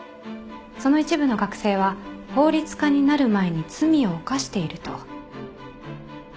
その一部の学生は法律家になる前に罪を犯していると。